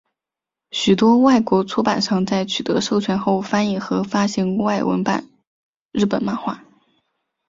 许多外国出版商在取得授权后翻译和发行外文版日本漫画。